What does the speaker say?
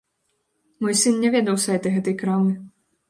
Мой сын не ведаў сайта гэтай крамы.